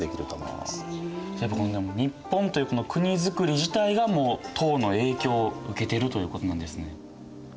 やっぱ日本という国づくり自体がもう唐の影響を受けてるということなんですね。